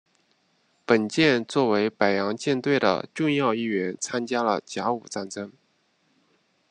本舰作为北洋舰队的重要一员参加了甲午战争。